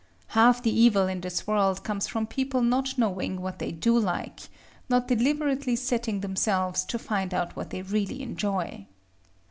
Half the evil in this world comes from people not knowing what they do like, not deliberately setting themselves to find out what they really enjoy.